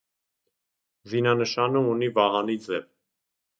Զինանշանը ունի վահանի ձև։